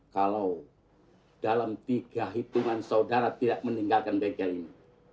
kalau dalam tiga hitungan saudara tidak meninggalkan bengkel ini